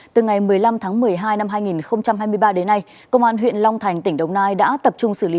từ ngày một mươi năm tháng một mươi hai năm hai nghìn hai mươi ba đến nay công an huyện long thành tỉnh đồng nai đã tập trung xử lý